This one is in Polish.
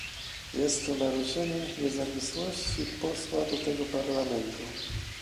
Jest to naruszenie niezawisłości posła do tego Parlamentu!